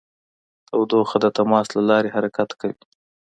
تودوخه د تماس له لارې حرکت کوي.